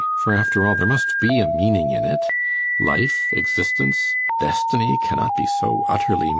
For, after all, there must be a meaning in it. Life, existence destiny, cannot be so utterly meaningless.